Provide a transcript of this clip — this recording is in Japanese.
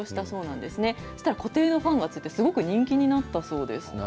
そうしたら固定のファンがついて、すごく人気になったそうです。